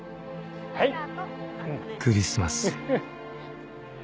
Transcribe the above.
［クリスマス］